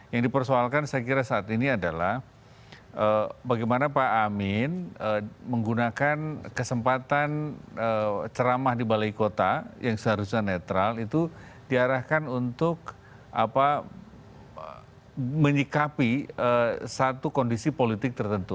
yang dipersoalkan saya kira saat ini adalah bagaimana pak amin menggunakan kesempatan ceramah di balai kota yang seharusnya netral itu diarahkan untuk menyikapi satu kondisi politik tertentu